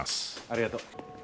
ありがとう。